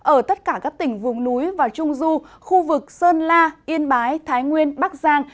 ở tất cả các tỉnh vùng núi và trung du khu vực sơn la yên bái thái nguyên bắc giang